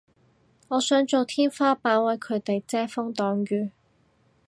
我想做天花板為佢哋遮風擋雨